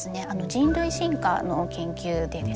人類進化の研究でですね